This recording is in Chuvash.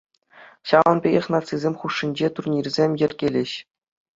Ҫавӑн пекех нацисем хушшинче турнирсем йӗркелӗҫ.